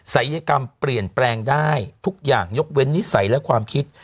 สายกรรมเปลี่ยนแปลงได้ทุกอย่างยกเว้นนิสัยและความคิด